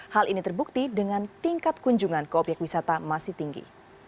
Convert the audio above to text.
hal ini terbukti dengan tingkat kunjungan ke obyek wisata masih tinggi